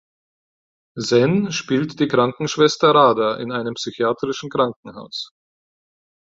Sen spielt die Krankenschwester Radha in einem psychiatrischen Krankenhaus.